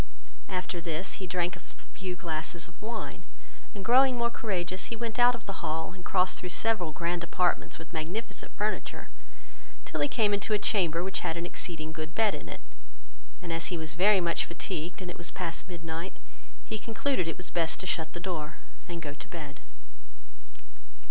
After this, he drank a few glasses of wine, and growing more courageous, he went out of the hall, and crossed through several grand apartments with magnificent furniture, till he came into a chamber, which had an exceeding good bed in it, and as he was very much fatigued, and it was past midnight, he concluded it was best to shut the door, and go to bed.